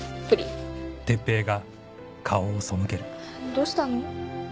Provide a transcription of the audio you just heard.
どうしたの？